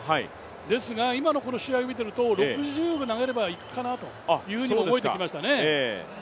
ですが、今のこの試合を見てると６０を投げればいけるかなという感じがします。